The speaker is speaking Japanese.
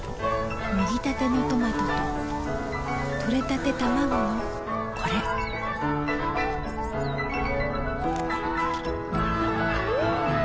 もぎたてのトマトととれたてたまごのこれん！